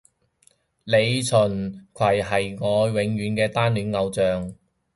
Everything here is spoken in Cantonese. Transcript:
李純揆係我永遠嘅單戀對象